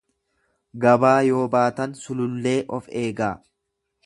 Gabaa yoo baatan sulullee of eegaa